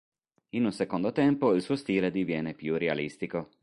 In un secondo tempo il suo stile diviene più realistico.